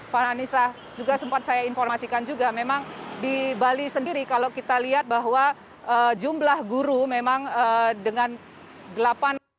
pak anissa juga sempat saya informasikan juga memang di bali sendiri kalau kita lihat bahwa jumlah guru memang dengan delapan orang